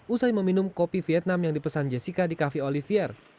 usai meminum kopi vietnam yang dipesan jessica di cafe olivier